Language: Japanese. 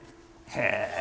へえ！